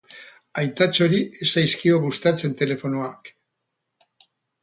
Aitatxori ez zaizkio gustatzen telefonoak.